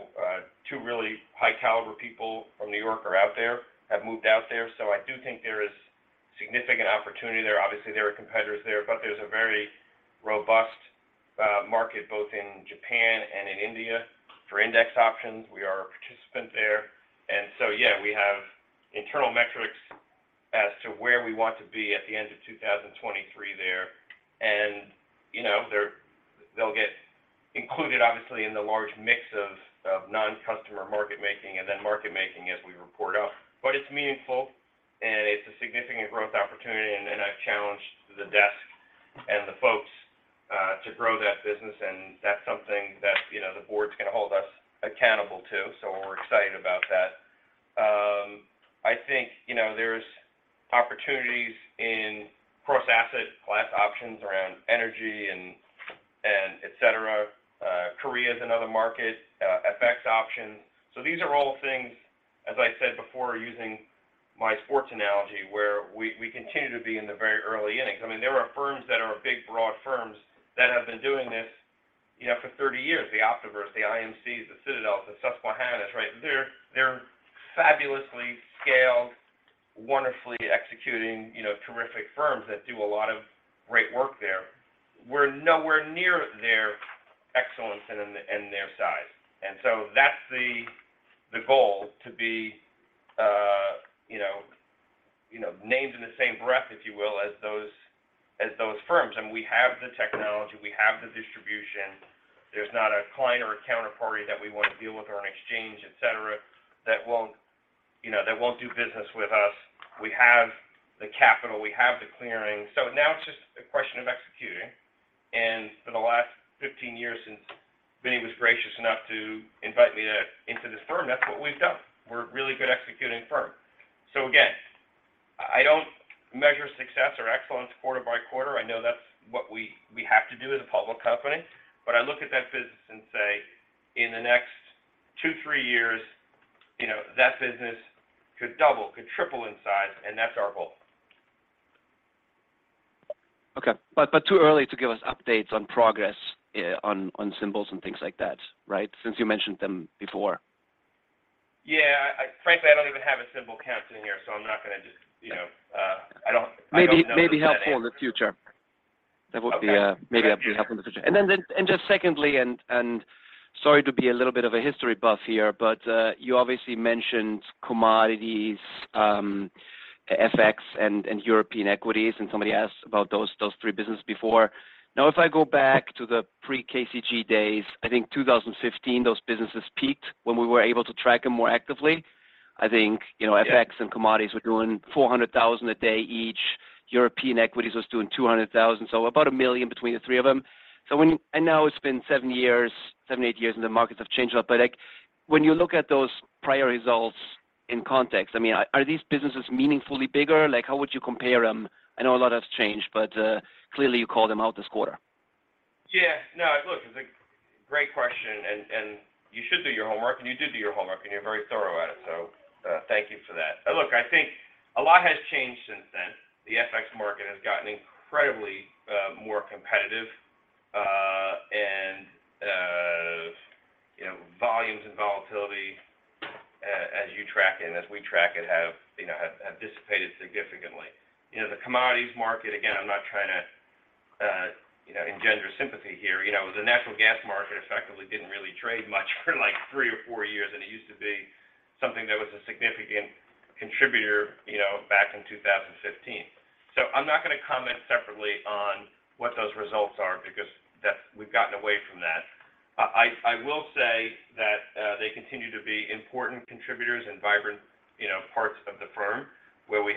two really high caliber people from New York are out there, have moved out there. I do think there is significant opportunity there. Obviously, there are competitors there, but there's a very robust market both in Japan and in India for index options. We are a participant there. Yeah, we have internal metrics as to where we want to be at the end of 2023 there. You know, they'll get included, obviously, in the large mix of non-customer market making and then market making as we report up. It's meaningful, and it's a significant growth opportunity, and I've challenged the desk and the folks to grow that business, and that's something that, you know, the board's gonna hold us accountable to. We're excited about that. I think, you know, there's opportunities in cross-asset class options around energy and et cetera. Korea is another market, FX option. These are all things, as I said before, using my sports analogy, where we continue to be in the very early innings. I mean, there are firms that are big, broad firms that have been doing this, you know, for 30 years. The Optiver, the IMC, the Citadel, the Susquehanna, right? They're fabulously scaled, wonderfully executing, you know, terrific firms that do a lot of great work there. We're nowhere near their excellence and their size. That's the goal, to be, you know, you know, named in the same breath, if you will, as those, as those firms. We have the technology, we have the distribution. There's not a client or a counterparty that we wanna deal with or an exchange, et cetera, that won't, you know, that won't do business with us. We have the capital, we have the clearing. Now it's just a question of executing. For the last 15 years, since Vinnie was gracious enough to invite me into this firm, that's what we've done. We're a really good executing firm. Again, I don't measure success or excellence quarter by quarter. I know that's what we have to do as a public company. I look at that business and say, "In the next two, three years, you know, that business could double, could triple in size," and that's our goal.
Okay. Too early to give us updates on progress, on symbols and things like that, right? Since you mentioned them before.
Yeah. Frankly, I don't even have a symbol count in here, so I'm not gonna just, you know, I don't know.
Maybe, maybe helpful in the future.
Okay.
That would be maybe helpful in the future. Then, just secondly, and sorry to be a little bit of a history buff here, but, you obviously mentioned commodities, FX and European equities, and somebody asked about those three business before. If I go back to the pre-KCG days, I think 2015, those businesses peaked when we were able to track them more actively. I think, you know, FX and commodities were doing $400,000 a day each. European equities was doing $200,000. About $1 million between the three of them. Now it's been 7 years, 7-8 years, and the markets have changed a lot. Like, when you look at those prior results in context, I mean, are these businesses meaningfully bigger? Like, how would you compare them? I know a lot has changed, clearly you called them out this quarter.
No, look, it's a great question. And you should do your homework, and you did do your homework, and you're very thorough at it, so thank you for that. Look, I think a lot has changed since then. The FX market has gotten incredibly more competitive, and, you know, volumes and volatility, as you track it and as we track it, have, you know, dissipated significantly. You know, the commodities market, again, I'm not trying to, you know, engender sympathy here. You know, the natural gas market effectively didn't really trade much for like 3 or 4 years and it used to be something that was a significant contributor, you know, back in 2015. I'm not gonna comment separately on what those results are because that's we've gotten away from that. I will say that they continue to be important contributors and vibrant, you know, parts of the firm where we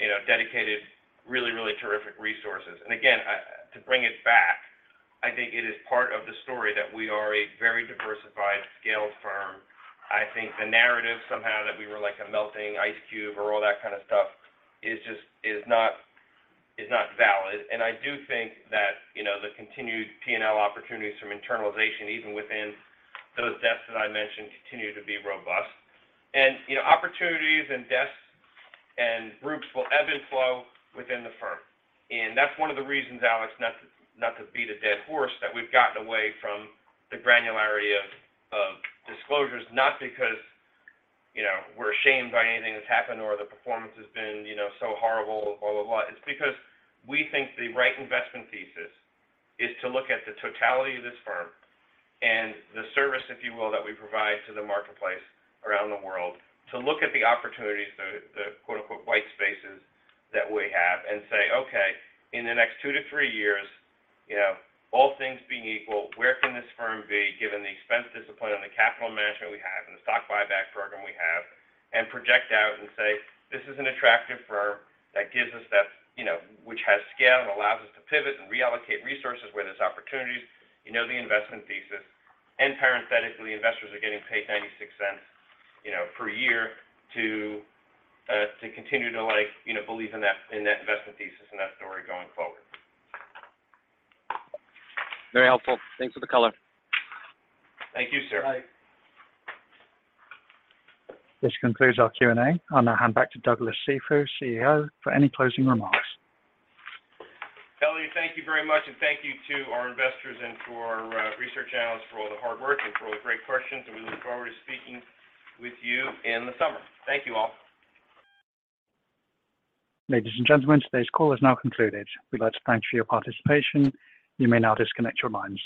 have, you know, dedicated really terrific resources. Again, to bring it back, I think it is part of the story that we are a very diversified scaled firm. I think the narrative somehow that we were like a melting ice cube or all that kind of stuff is just, is not valid. I do think that, you know, the continued P&L opportunities from internalization, even within those desks that I mentioned, continue to be robust. You know, opportunities and desks and groups will ebb and flow within the firm. That's one of the reasons, Alex, not to beat a dead horse, that we've gotten away from the granularity of disclosures, not because, you know, we're ashamed by anything that's happened or the performance has been, you know, so horrible, blah, blah. It's because we think the right investment thesis is to look at the totality of this firm and the service, if you will, that we provide to the marketplace around the world to look at the opportunities, the quote-unquote "white spaces" that we have and say, "Okay, in the next two to three years, you know, all things being equal, where can this firm be given the expense discipline and the capital management we have and the stock buyback program we have," and project out and say, "This is an attractive firm that gives us that, you know, which has scale and allows us to pivot and reallocate resources where there's opportunities." You know the investment thesis and parenthetically investors are getting paid $0.96, you know, per year to continue to like, you know, believe in that, in that investment thesis and that story going forward.
Very helpful. Thanks for the color.
Thank you, sir.
Bye.
This concludes our Q&A. I'll now hand back to Douglas Cifu, CEO, for any closing remarks. Elliot, thank you very much, and thank you to our investors and to our research analysts for all the hard work and for all the great questions. We look forward to speaking with you in the summer. Thank you all. Ladies and gentlemen, today's call has now concluded. We'd like to thank you for your participation. You may now disconnect your lines.